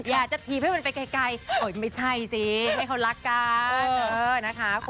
อยากจะถีบให้มันไปไกลไม่ใช่สิให้เขารักกัน